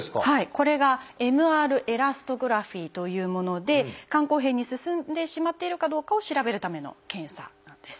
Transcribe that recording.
これがＭＲエラストグラフィというもので肝硬変に進んでしまっているかどうかを調べるための検査なんです。